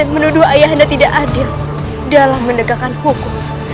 aku menuduh ayah anda tidak adil dalam mendekatkan hukum